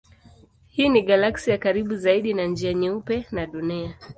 Hii ni galaksi ya karibu zaidi na Njia Nyeupe na Dunia.